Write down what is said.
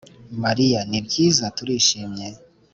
mariya: ni byiza, turishimye